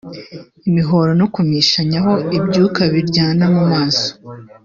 imihoro no kumishanyaho ibyuka biryana mu maso